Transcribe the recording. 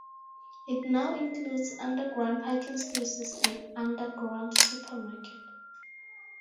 It now includes underground parking spaces and an underground supermarket.